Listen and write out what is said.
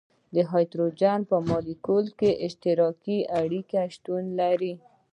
د هایدروجن په مالیکول کې اشتراکي اړیکه شتون لري.